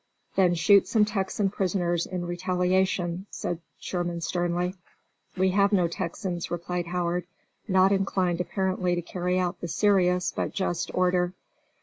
"Then shoot some Texan prisoners in retaliation," said Sherman sternly. "We have no Texans," replied Howard, not inclined, apparently, to carry out the serious, but just order.